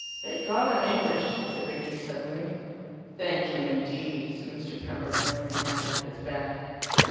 "Thank God I'm English," said Rickie suddenly. "Thank Him indeed," said Mr. Pembroke, laying a hand on his back.